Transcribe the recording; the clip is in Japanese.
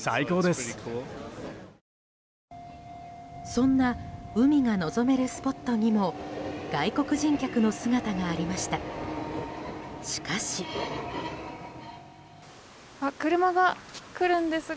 そんな海が望めるスポットにも外国人客の姿がありました。